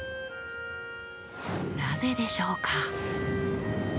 なぜでしょうか？